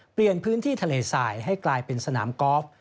เปลี่ยนพื้นที่ทะเลสายให้กลายเป็นสนามกอล์ฟ